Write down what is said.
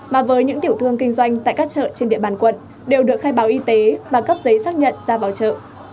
mà với những tiểu thương kinh doanh tại các chợ trên địa bàn quận đều được khai báo y tế và cấp giấy xác nhận ra vào chợ